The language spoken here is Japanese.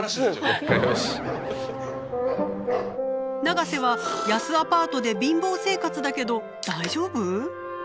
永瀬は安アパートで貧乏生活だけど大丈夫？